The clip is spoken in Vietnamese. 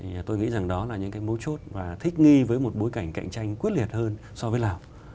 thì tôi nghĩ rằng đó là những cái mấu chốt và thích nghi với một bối cảnh cạnh tranh quyết liệt hơn so với lào